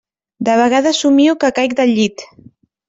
De vegades somio que caic del llit.